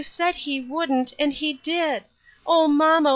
I4I said he wouldn't, and he did. O, mamma